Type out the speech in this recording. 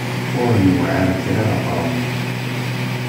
Ur yewɛir kra ɣef Ṛebbi.